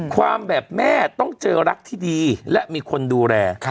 ความแบบแม่ต้องเจอรักที่ดีและมีคนดูแล